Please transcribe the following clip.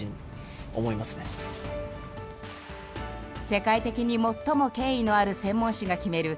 世界的に最も権威のある専門誌が決める